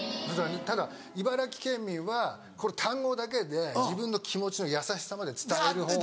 ただ茨城県民はこれ単語だけで自分の気持ちの優しさまで伝える方法があって。